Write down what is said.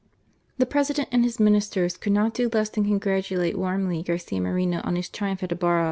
The President and his Ministers could not do less than congratulate warmly Garcia Moreno on his triumph at Ibarra.